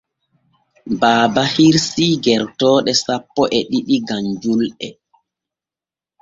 Baaba hirsii gertooɗo sappo e ɗiɗi gam julɗe.